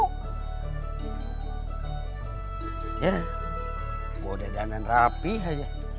gue udah dana rapih aja